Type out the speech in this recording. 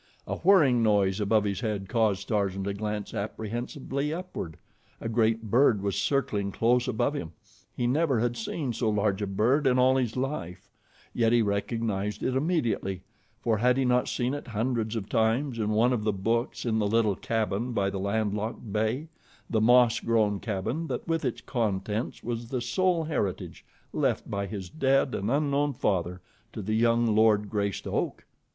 A whirring noise above his head caused Tarzan to glance apprehensively upward. A great bird was circling close above him. He never had seen so large a bird in all his life, yet he recognized it immediately, for had he not seen it hundreds of times in one of the books in the little cabin by the land locked bay the moss grown cabin that with its contents was the sole heritage left by his dead and unknown father to the young Lord Greystoke?